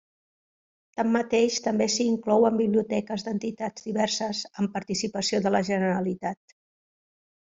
Tanmateix també s'hi inclouen biblioteques d'entitats diverses amb participació de la Generalitat.